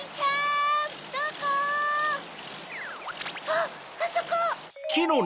あっあそこ！